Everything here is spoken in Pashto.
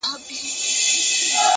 هر څه چي راپېښ ســولـــــه؛